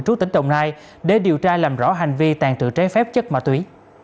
trú tỉnh đồng nai để điều tra làm rõ hành vi tàn trự trái phép chất ma túy